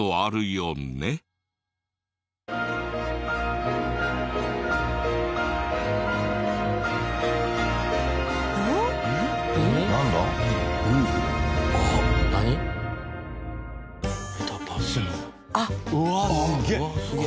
うわあすげえ！